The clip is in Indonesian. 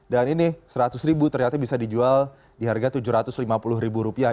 dan ini seratus ribu ternyata bisa dijual di harga tujuh ratus lima puluh ribu rupiah